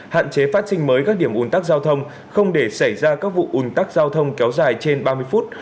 hạn chế phát sinh mới các điểm ủn tắc giao thông không để xảy ra các vụ ủn tắc giao thông kéo dài trên ba mươi phút